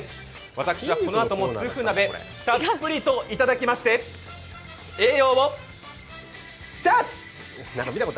私、このあとも痛風鍋、たっぷりといただきまして栄養をチャージ！！